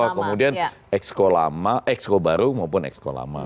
kemudian exco baru maupun exco lama